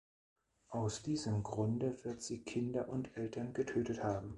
Aus diesem Grunde wird sie Kinder und Eltern getötet haben.